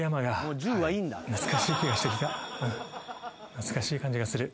懐かしい感じがする。